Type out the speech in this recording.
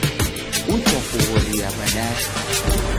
Uchakughoria badaye